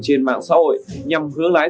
trên mạng xã hội nhằm hướng lái